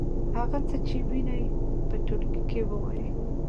هغه څه چې وینئ په ټولګي کې ووایئ.